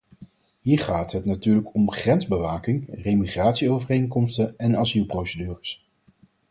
Hier gaat het natuurlijk om de grensbewaking, remigratieovereenkomsten en asielprocedures.